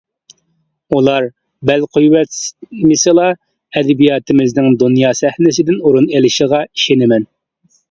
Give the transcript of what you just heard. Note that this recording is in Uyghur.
ئۇلار بەل قويۇۋەتمىسىلا، ئەدەبىياتىمىزنىڭ دۇنيا سەھنىسىدىن ئورۇن ئېلىشىغا ئىشىنىمەن.